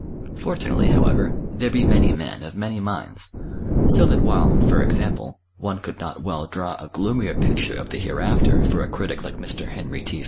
Fortunately, however, there be many men of many minds; so that while, for example, one could not well draw a gloomier picture of the hereafter for a critic like Mr. Henry T.